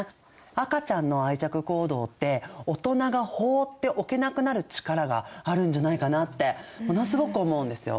赤ちゃんの愛着行動って大人が放っておけなくなる力があるんじゃないかなってものすごく思うんですよ。